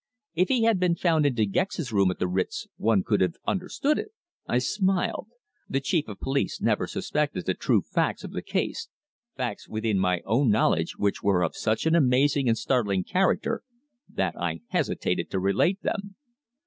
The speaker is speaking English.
If he had been found in De Gex's room at the Ritz one could have understood it." I smiled. The Chief of Police never suspected the true facts of the case, facts within my own knowledge, which were of such an amazing and startling character that I hesitated to relate them.